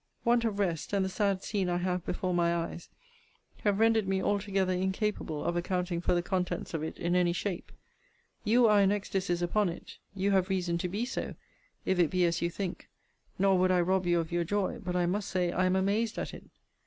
Want of rest, and the sad scene I have before my eyes, have rendered me altogether incapable of accounting for the contents of it in any shape. You are in ecstacies upon it. You have reason to be so, if it be as you think. Nor would I rob you of your joy: but I must say I am amazed at it.